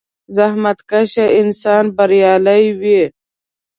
• زحمتکش انسان بریالی وي.